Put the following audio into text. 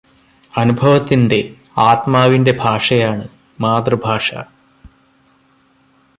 അനുഭവത്തിന്റെ, ആത്മാവിന്റെ ഭാഷയാണ് മാതൃഭാഷ.